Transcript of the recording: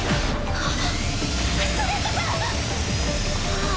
あっ。